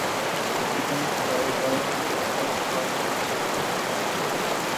ستم سکھلائے گا رسم وفا ایسے نہیں ہوتا